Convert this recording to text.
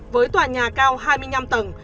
với tòa nhà cao hai mươi năm tầng